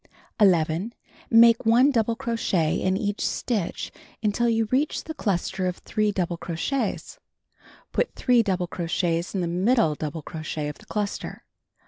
11. Make 1 double crochet in each stitch until you reach the cluster of 3 double crochets. Put three double crochets in the middle double crochet of the cluster.